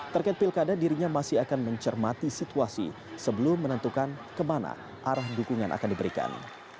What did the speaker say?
terkait pilkada dirinya masih akan mencermati situasi sebelum menentukan kemana arah dukungan akan diberikan